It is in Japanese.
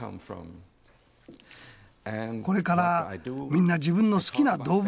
これからみんな自分の好きな動物を言ってみて。